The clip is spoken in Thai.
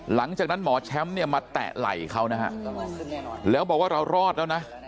หลังจากนั้นหมอแชมป์เนี่ยมาแตะไหล่เขานะฮะแล้วบอกว่าเรารอดแล้วนะ